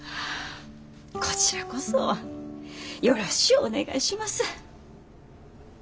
こちらこそよろしゅうお願いします。